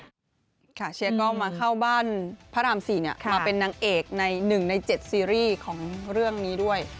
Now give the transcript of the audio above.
เชียร์ก็มาเข้าบ้านพระราม๔มาเป็นนางเอกใน๑ใน๗ซีรีส์ของเรื่องนี้ด้วย